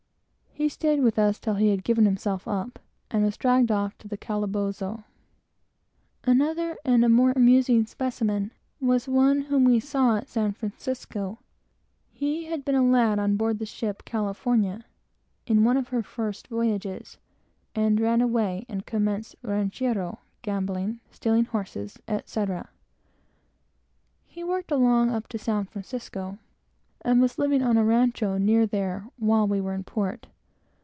He staid with us till he gave himself up, and was dragged off to the calabozo. Another, and a more amusing specimen, was one whom we saw at San Francisco. He had been a lad on board the ship California, in one of her first voyages, and ran away and commenced Ranchéro, gambling, stealing horses, etc. He worked along up to San Francisco, and was living on a rancho near there, while we were in port.